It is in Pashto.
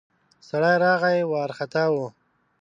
سړی راغی ، وارختا و.